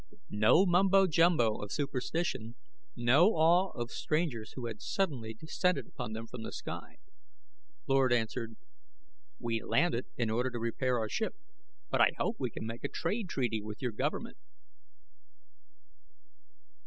No mumbo jumbo of superstition, no awe of strangers who had suddenly descended upon them from the sky. Lord answered, "We landed in order to repair our ship, but I hope we can make a trade treaty with your government."